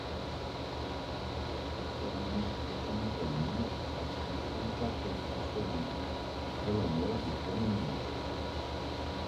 L'administration Canning a pris fin quatre mois seulement après la mort du Premier ministre.